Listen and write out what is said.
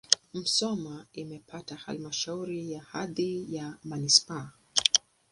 Musoma imepata halmashauri na hadhi ya manisipaa.